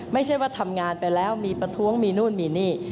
ไม่ใช่ว่าทำงานไปแล้วมีประท้วงมีนู่นมีนี่